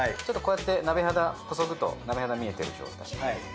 ちょっとこうやって鍋肌こそぐと鍋肌見えてる状態。